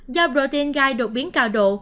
do protein gai đột biến cao độ